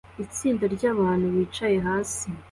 Itsinda ryabantu bicaye hasi